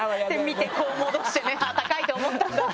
見てこう戻してね「高いと思ったんだな」